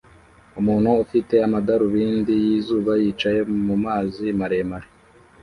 Umuntu ufite amadarubindi yizuba yicaye mumazi maremare